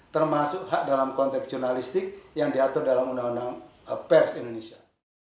termasuk hak dalam konteks jurnalistik yang diatur dalam undang undang pers indonesia